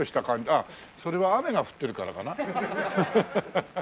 あっそれは雨が降ってるからかな。